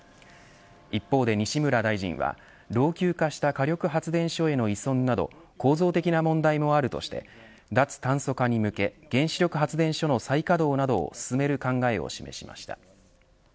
一方で西村大臣は、老朽化した火力発電所への依存など構造的な問題もあるとして脱炭素化に向け原子力発電所の再稼働などを進める考えを示しました。